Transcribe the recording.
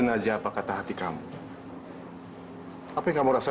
nggak nytego ke mmaybe itu harus ibu yang mengambil takut dan